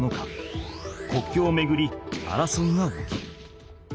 国境をめぐり争いが起きる。